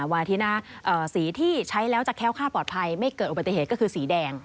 อาทิตย์หน้าสีที่ใช้แล้วจะแค้วค่าปลอดภัยไม่เกิดอุบัติเหตุก็คือสีแดง